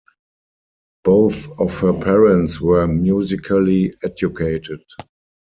Both of her parents were musically educated.